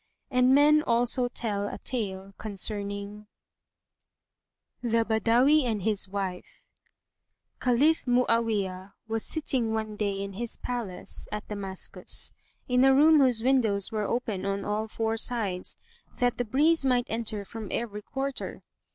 And men also tell a tale concerning THE BADAWI AND HIS WIFE.[FN#141] Caliph Mu'áwiyah was sitting one day in his palace[FN#142] at Damascus, in a room whose windows were open on all four sides, that the breeze might enter from every quarter.